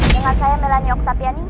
dengan saya melania oksapiani